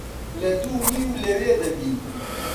لە دوو و نیو لەوێ دەبین.